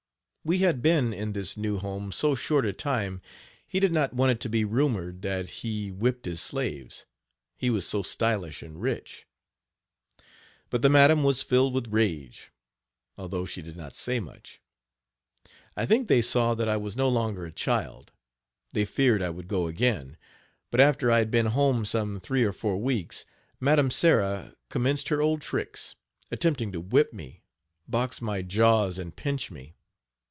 We had been in this new home so short a time he did not want it to be rumored that he whipped his slaves, he was so stylish and rich. But the madam was filled with rage, although she did not say much. I think they saw that I was no longer a child they feared I would go again. But after I had been home some three or four weeks, Madam Sarah commenced her old tricks attempting to whip me, box my jaws and pinch me.